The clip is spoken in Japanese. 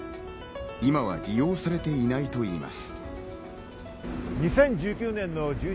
今は利用されていないと言います。